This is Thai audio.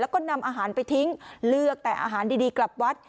แล้วก็นำอาหารไปทิ้งเลือกแต่อาหารดีกลับวัด